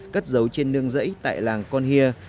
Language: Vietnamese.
cất giấu trên nương rẫy tại làng con hia